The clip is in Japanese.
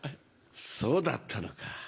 そうだったのか。